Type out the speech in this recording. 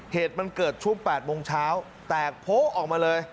เหตุมันเกิดช่วง๘โมงเช้าแตกโพะออกมาเลย